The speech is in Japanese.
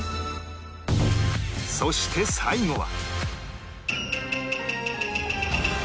そして最後は